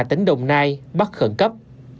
tỉnh đồng nai bắt khẩn cấp